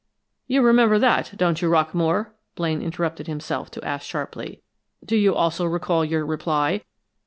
"You remember that, don't you, Rockamore?" Blaine interrupted himself to ask sharply. "Do you also recall your reply?